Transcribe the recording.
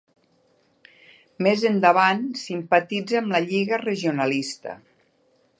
Més endavant, simpatitzà amb la Lliga Regionalista.